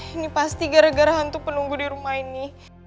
ini pasti gara gara hantu penunggu di rumah ini